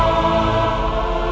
aku tidak tahu diri